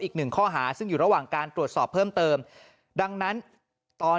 อีกหนึ่งข้อหาซึ่งอยู่ระหว่างการตรวจสอบเพิ่มเติมดังนั้นตอน